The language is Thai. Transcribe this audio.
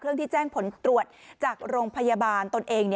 เรื่องที่แจ้งผลตรวจจากโรงพยาบาลตนเอง